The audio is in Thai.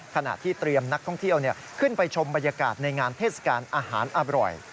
ขณะที่เตรียมนักท่องเที่ยวขึ้นไปชมบรรยากาศในงานเทศกาลอาหารอร่อย